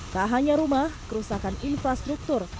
tak hanya rumah kerusakan infrastruktur